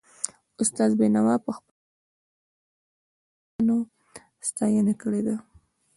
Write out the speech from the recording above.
استاد بينوا په پخپلو ليکنو کي د ملي اتلانو ستاینه کړې ده.